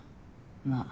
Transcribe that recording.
まあ